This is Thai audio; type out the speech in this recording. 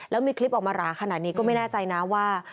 แล้วมีคลิปออกมาหราขนาดนี้ก็ไม่แน่ใจนะว่า